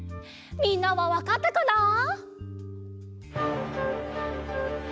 みんなはわかったかな？